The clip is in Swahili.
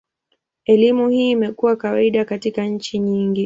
Elimu hii imekuwa kawaida katika nchi nyingi.